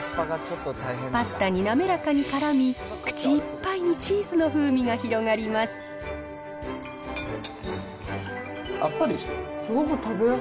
パスタに滑らかにからみ、口いっぱいにチーズの風味が広がります。